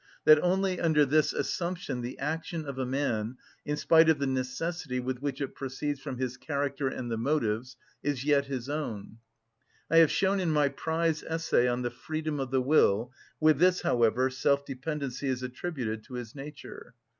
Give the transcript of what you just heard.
That only under this assumption the action of a man, in spite of the necessity with which it proceeds from his character and the motives, is yet his own I have shown in my prize essay on the freedom of the will; with this, however, self‐ dependency is attributed to his nature.